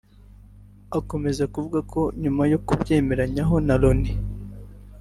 Akomeza avuga ko nyuma yo kubyemeranyaho na Loni